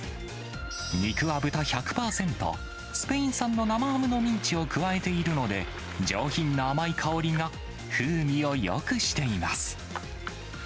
肉は豚１００％、スペイン産の生ハムのミンチを加えているので、上品な甘い香りが風味をよくしています。